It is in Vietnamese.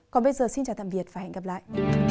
còn bây giờ xin chào tạm biệt và hẹn gặp lại